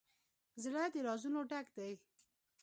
زړه د رازونو ډک دی.